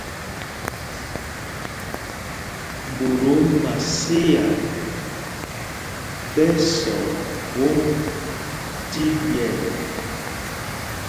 Ɓot o Maséa ɓɛ sɔɔ phwómb tí ɓyɛ́l.